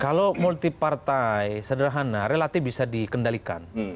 kalau multi partai sederhana relatif bisa dikendalikan